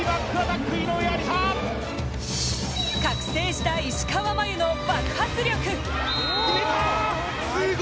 覚醒した石川真佑の爆発力。